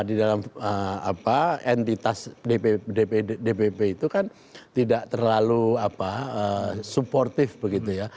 di dalam entitas dpp itu kan tidak terlalu supportif begitu ya